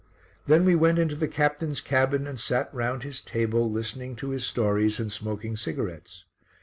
Then we went into the captain's cabin and sat round his table listening to his stories and smoking cigarettes.